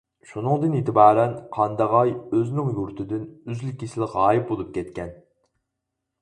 شۇنىڭدىن ئېتىبارەن، قانداغاي ئۆزىنىڭ يۇرتىدىن ئۈزۈل-كېسىل غايىب بولۇپ كەتكەن.